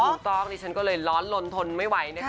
ถูกต้องชั้นก็เลยร้อนลนทนไม่ไหว